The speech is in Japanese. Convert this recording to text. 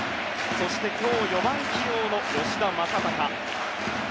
そして、今日４番起用の吉田正尚。